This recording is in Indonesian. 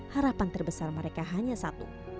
harapan terbesar mereka hanya satu